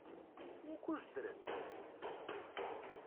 Wukud ddren?